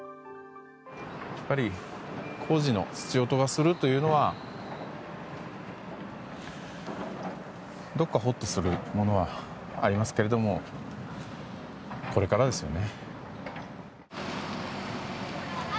やっぱり工事の槌音がするというのはどこか、ほっとするものはありますけれどもこれからですよね。